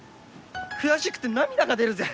悔しくて涙が出るぜ。